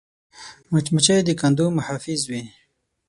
مچمچۍ د کندو محافظ وي